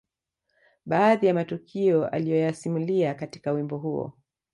Baadhi ya matukio aliyoyasimulia katika wimbo huo